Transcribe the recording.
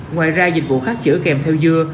ngoài ra dịch vụ khắc chữa kèm theo dưa